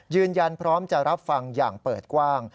ยืนยันพร้อมจะรับฟังอย่างเปิดกว้าง